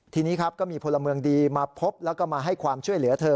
ทีนี้ครับก็มีพลเมืองดีมาพบแล้วก็มาให้ความช่วยเหลือเธอ